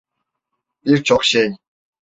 Bir çok şey.